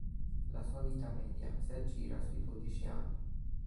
La sua vita media si aggira sui dodici anni.